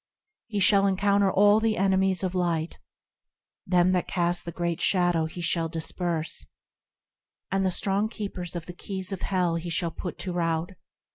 He shall encounter all the enemies of Light; Them that cast the Great Shadow he shall disperse, And the strong keepers of the keys of hell he shall put to rout.